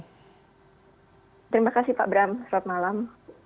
terima kasih pak bram selamat malam